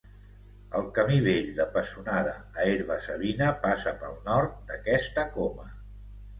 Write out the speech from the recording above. El camí vell de Pessonada a Herba-savina passa pel nord d'aquesta coma.